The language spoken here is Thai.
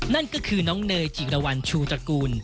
นั่นก็คือน้องเนยจิรวรรณชูตระกูล